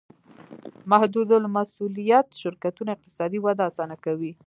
محدودالمسوولیت شرکتونه اقتصادي وده اسانه کوي.